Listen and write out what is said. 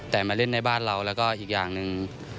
แต่มาเล่นในบ้านเราแล้วก็อีกอย่างหนึ่ง